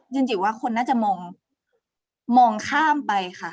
จริงว่าคนน่าจะมองข้ามไปค่ะ